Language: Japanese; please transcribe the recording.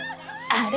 あれ。